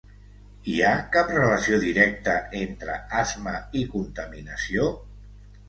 Hi ha cap relació directa entre asma i contaminació?